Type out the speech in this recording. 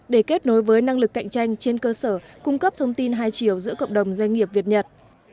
để kết nối với năng lực cạnh tranh trên cơ sở cung cấp thông tin hai chiều giữa cộng đồng doanh nghiệp việt nhật